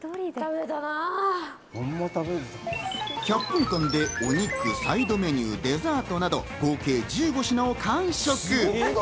１００分間でお肉、サイドメニュー、デザートなど合計１５品を完食。